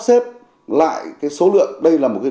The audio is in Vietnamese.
xếp lại cái số lượng đây là một cái